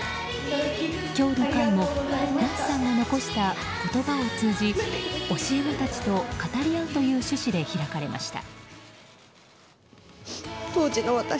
今日の会も夏さんの残した言葉を通じ教え子たちと語り合うという趣旨で開かれました。